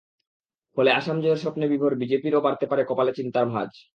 ফলে আসাম জয়ের স্বপ্নে বিভোর বিজেপিরও বাড়তে পারে কপালে চিন্তার ভাঁজ।